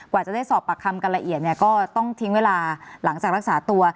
ว่าจะได้สอบปากคำกันละเอียดเนี่ยก็ต้องทิ้งเวลาหลังจากรักษาตัว